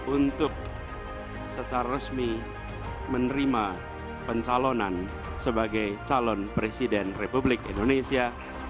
untuk secara resmi menerima pencalonan sebagai calon presiden republik indonesia